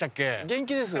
元気です。